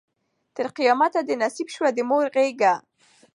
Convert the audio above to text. تر قیامته دي نصیب سوه د مور غیږه